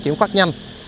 triển phát nhanh